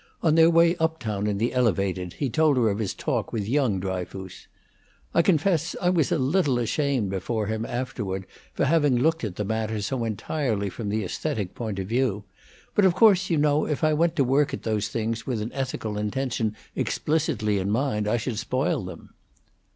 On their way up town in the Elevated he told her of his talk with young Dryfoos. "I confess I was a little ashamed before him afterward for having looked at the matter so entirely from the aesthetic point of view. But of course, you know, if I went to work at those things with an ethical intention explicitly in mind, I should spoil them."